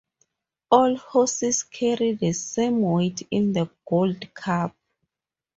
All horses carry the same weight in the Gold Cup.